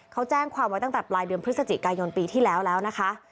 เขาแจ้งความไว้ตั้งแต่ปลายเดือนพฤศจิกายนปีที่แล้วแล้วนะคะ